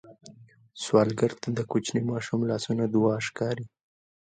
سوالګر ته د کوچني ماشوم لاسونه دعا ښکاري